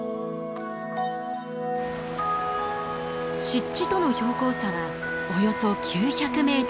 湿地との標高差はおよそ９００メートル。